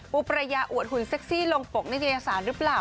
ปูประยาอวดหุ่นเซ็กซี่ลงปลกในยนตรียศาลหรือเปล่า